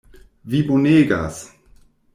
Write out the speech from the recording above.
Vi bonegas!